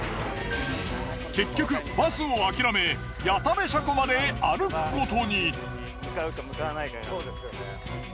結局バスを諦め谷田部車庫まで歩くことに。